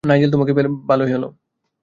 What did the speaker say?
Nigel, তোমাকে পেয়ে ভালোই হলো।